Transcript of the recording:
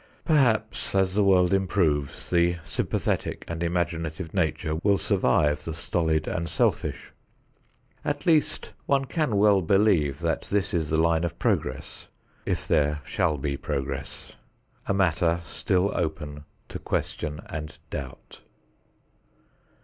Perhaps as the world improves, the sympathetic and imaginative nature will survive the stolid and selfish. At least one can well believe that this is the line of progress if there shall be progress, a matter still open to question and doubt.